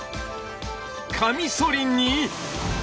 カミソリに！